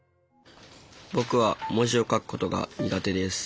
僕は文字を書くことが苦手です。